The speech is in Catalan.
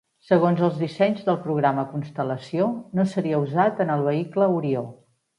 Segons els dissenys del Programa Constel·lació no seria usat en el vehicle Orió.